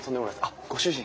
あっご主人？